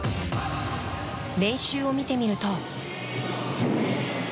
練習を見てみると。